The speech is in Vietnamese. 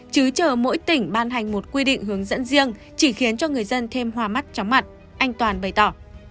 chứ chờ mỗi tỉnh ban hành một quy định hướng dẫn riêng chỉ khiến cho người dân thêm hoa mắt tróng mặt anh toàn bày tỏ